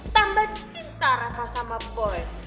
tambah cinta reva sama boy